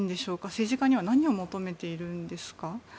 政治家には何を求めているんですか？